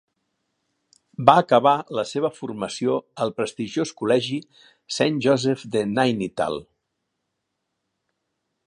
Va acabar la seva formació al prestigiós col·legi Saint Joseph's de Nainital.